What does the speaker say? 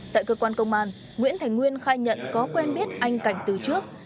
tại cơ quan công an nguyễn thành nguyên khai nhận có quen biết anh cảnh từ trước